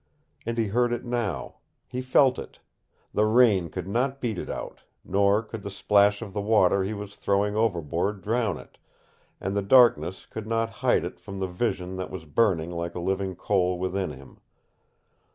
And he heard it now. He felt it. The rain could not beat it out, nor could the splash of the water he was throwing overboard drown it, and the darkness could not hide it from the vision that was burning like a living coal within him.